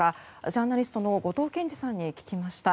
ジャーナリストの後藤謙次さんに聞きました。